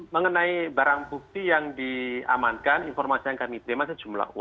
mengenai barang bukti yang diamankan informasi yang kami terima sejumlah uang